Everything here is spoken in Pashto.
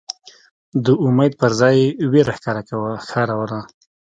د امید پر ځای یې وېره ښکاروله.